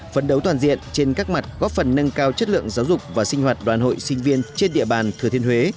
phấn đấu toàn diện trên các mặt góp phần nâng cao chất lượng giáo dục và sinh hoạt đoàn hội sinh viên trên địa bàn thừa thiên huế